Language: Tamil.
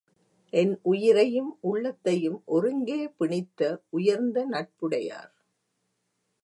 என் உயிரையும் உள்ளத்தையும் ஒருங்கே பிணித்த உயர்ந்த நட்புடையார்!